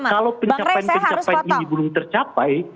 kalau pencapaian pencapaian ini belum tercapai